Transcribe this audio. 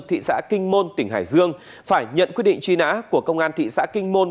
thị xã kinh môn tỉnh hải dương phải nhận quyết định truy nã của công an thị xã kinh môn